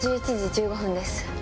１１時１５分です。